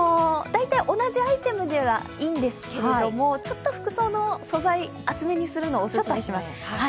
同じアイテムでいいんですけれどもちょっと服装の素材、厚めにするのをお勧めします。